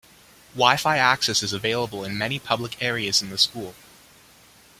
Wi-fi access is available in many public areas in the school.